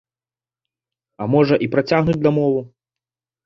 А можа, і працягнуць дамову.